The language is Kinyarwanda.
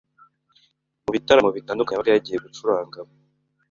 mu bitaramo bitandukanye yabaga yagiye gucurangamo